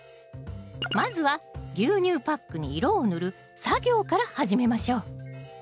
まずは牛乳パックに色を塗る作業から始めましょう。